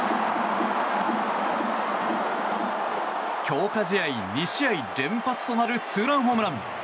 強化試合２試合連発となるツーランホームラン！